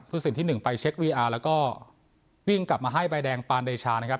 สินที่๑ไปเช็ควีอาร์แล้วก็วิ่งกลับมาให้ใบแดงปานเดชานะครับ